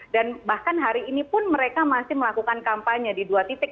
dan bahkan hari ini pun mereka masih melakukan kampanye di dua titik